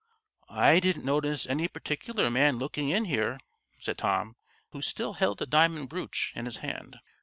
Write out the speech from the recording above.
"I didn't notice any particular man looking in here," said Tom, who still held the diamond brooch in his hand.